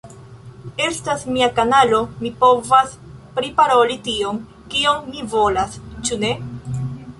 Estas mia kanalo, mi povas priporali tion, kion mi volas. Ĉu ne?